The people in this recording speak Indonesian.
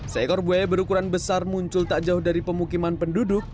seekor buaya berukuran besar muncul tak jauh dari pemukiman penduduk